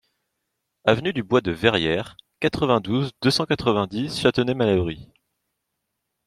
Avenue du Bois de Verrières, quatre-vingt-douze, deux cent quatre-vingt-dix Châtenay-Malabry